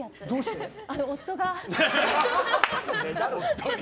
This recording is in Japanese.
夫が。